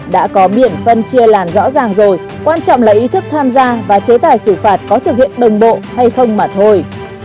đã có biển phân chia làm rõ ràng rồi quan trọng là ý thức tham gia và chế tài xử phạt có thực hiện đồng bộ hay không mà thôi